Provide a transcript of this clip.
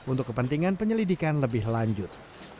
untuk kepentingan penyelidikan lebih lanjut